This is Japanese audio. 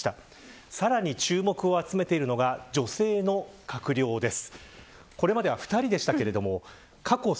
さらに注目を集めているのが女性の閣僚です。